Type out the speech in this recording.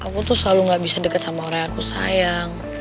aku tuh selalu gak bisa deket sama orang aku sayang